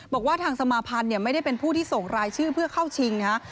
บอกว่าทางสมาพันธ์ไม่ได้เป็นผู้ที่ส่งรายชื่อเพื่อเข้าชิงนะฮะ